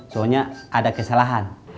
soalnya ada kesalahan